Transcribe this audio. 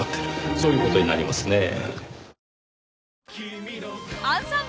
そういう事になりますねぇ。